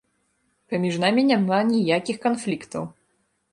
Паміж намі няма ніякіх канфліктаў!